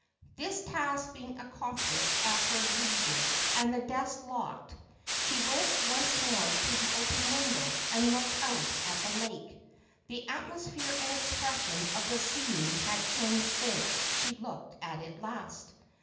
This task being accomplished at her leisure, and the desk locked, she went once more to the open window, and looked out at the lake. The atmosphere and expression of the scene had changed since she looked at it last.